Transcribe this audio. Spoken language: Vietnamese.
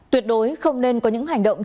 tuyệt đối không nên có những hành động